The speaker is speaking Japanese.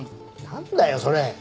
何だよそれ？